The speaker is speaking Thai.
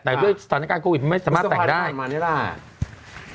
แต่ด้วยสถานการณ์โควิดไม่สามารถแต่งได้มันสามารถผ่านมาได้แหละ